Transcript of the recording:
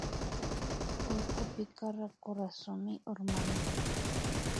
Urkupika raku rasumi urman